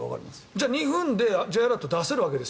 じゃあ、２分でＪアラートを出せるってことです